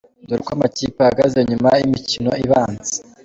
Dore uko amakipe ahagaze nyuma y'imikino ibanza .